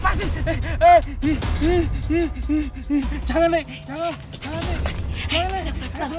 adam adam jangan tinggalin mami